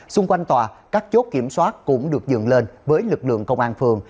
xung quanh tòa các chốt kiểm soát cũng được dừng lên với lực lượng công an phường